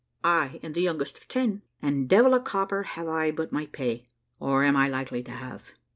I am the youngest of ten, and devil a copper have I but my pay, or am I likely to have.